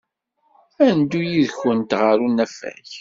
Ad neddu yid-went ɣer unafag.